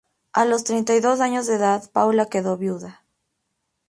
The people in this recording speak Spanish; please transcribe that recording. A los treinta y dos años de edad, Paula quedó viuda.